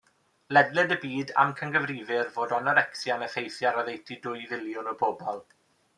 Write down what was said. Ledled y byd amcangyfrifir fod anorecsia'n effeithio ar oddeutu dwy filiwn o bobl.